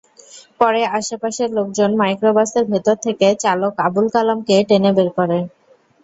পরে আশপাশের লোকজন মাইক্রোবাসের ভেতর থেকে চালক আবুল কালামকে টেনে বের করে।